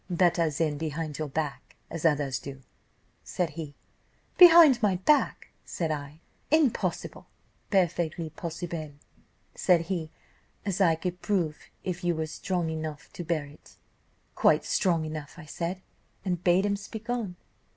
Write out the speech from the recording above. "'Better than behind your back, as others do,' said he. "'Behind my back!' said I; 'impossible.' "'Perfectly possible,' said he, 'as I could prove if you were strong enough to bear it.' "'Quite strong enough,' I said, and bade him speak on.